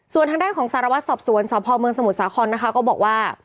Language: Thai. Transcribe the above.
ส่วนทางด้านของสารวัตรสอบสวนสพเมืองสมุทรสาครนะคะก็บอกว่า